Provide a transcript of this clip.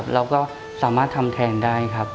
เราก็สามารถทำแทนได้ครับ